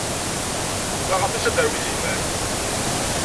Taɣaṭ-is ad d-tarew izimer.